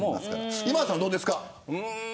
今田さん、どうですか。